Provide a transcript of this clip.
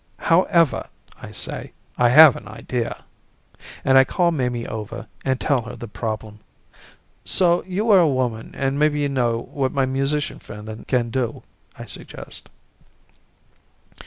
"However," I say, "I have an idea." And I call Mamie over and tell her the problem. "So you are a woman and maybe you know what my musician friend can do," I suggest.